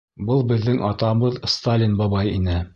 Был беҙҙең атабыҙ Сталин бабай ине.